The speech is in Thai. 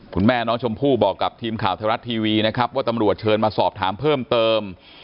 คุณแม่น้องชมพู่บอกกับทีมข่าวไทยรัฐทีวีนะครับว่าตำรวจเชิญมาสอบถามเพิ่มเติม